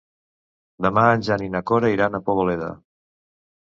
Demà en Jan i na Cora iran a Poboleda.